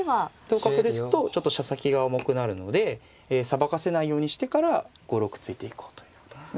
同角ですとちょっと飛車先が重くなるのでさばかせないようにしてから５六歩突いていこうということですね。